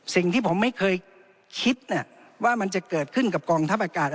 สิ่งที่ผมไม่เคยคิดว่ามันจะเกิดขึ้นกับกองทัพอากาศ